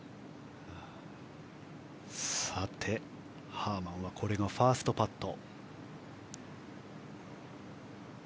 ハーマンはこれがファーストパット。